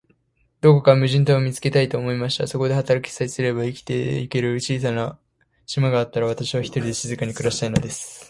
どこか無人島を見つけたい、と思いました。そこで働きさえすれば、生きてゆける小さな島があったら、私は、ひとりで静かに暮したいのです。